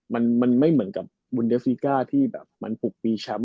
มันไม่เหมือนกับวุนเดสสิก้าที่มันปลูกปีช้ำ